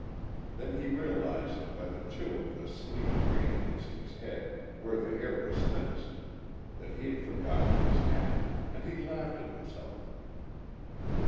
Then he realized, by the chill of the sleety rain against his head where the hair was thinnest, that he had forgotten his hat, and he laughed at himself.